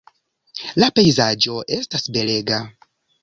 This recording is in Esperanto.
La pejzaĝo estas belega.